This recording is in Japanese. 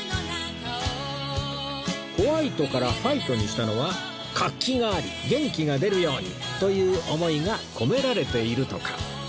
ホワイトからファイトにしたのは活気があり元気が出るようにという思いが込められているとか